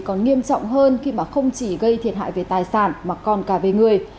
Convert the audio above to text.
còn nghiêm trọng hơn khi mà không chỉ gây thiệt hại về tài sản mà còn cả về người